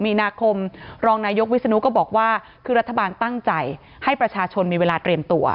มีนาคมรองนายกวิศนุก็บอกว่าคือรัฐบาลตั้งใจให้ประชาชนมีเวลาเตรียมตัว